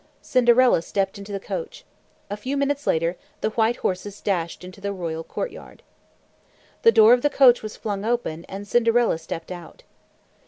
Cinderella stepped into the coach. A few minutes later, the white horses dashed into the royal courtyard. The door of the coach was flung open, and Cinderella stepped out.